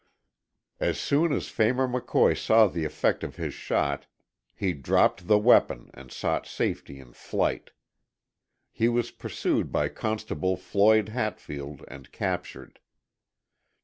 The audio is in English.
As soon as Phamer McCoy saw the effect of his shot he dropped the weapon and sought safety in flight. He was pursued by Constable Floyd Hatfield and captured.